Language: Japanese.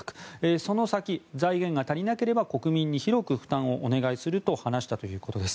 その先、財源が足りなければ国民に広く負担をお願いすると話したということです。